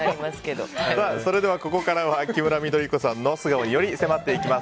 それではここからはキムラ緑子さんの素顔により迫っていきます